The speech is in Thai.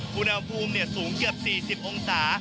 ภูเนียลภูมิสูงเกือบ๔๐องศา